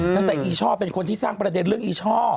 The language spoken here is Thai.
ตั้งแต่อีช่อเป็นคนที่สร้างประเด็นเรื่องอีช่อ